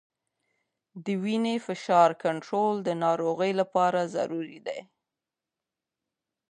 د وینې فشار کنټرول د ناروغ لپاره ضروري دی.